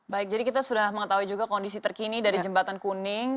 baik jadi kita sudah mengetahui juga kondisi terkini dari jembatan kuning